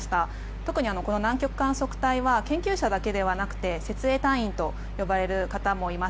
特に、この南極観測隊は研究者だけじゃなくて設営隊員と呼ばれる方もいます。